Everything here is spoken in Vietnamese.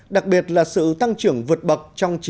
đặc biệt là sự tăng trưởng vượt bậc